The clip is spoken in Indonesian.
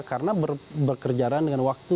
karena berkerja dengan waktu